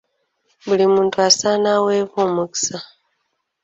Buli muntu asaana aweebwe omukisa.